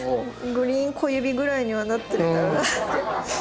グリーン小指ぐらいにはなってたら。